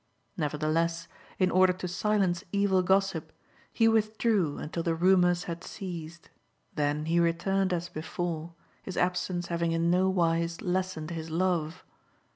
Nevertheless, in order to FIRST T>AT: TALE IX. 15 silence evil gossip, he withdrew until the rumours had ceased ; then he returned as before, his ab sence having in no wise lessened his love.